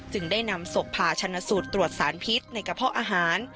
ได้นำศพผ่าชนะสูตรตรวจสารพิษในกระเพาะอาหาร